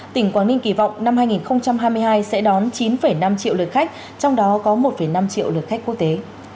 tỉnh quảng ninh kỳ vọng năm hai nghìn hai mươi hai sẽ đón chín năm triệu lượt khách trong đó có một năm triệu lượt khách quốc tế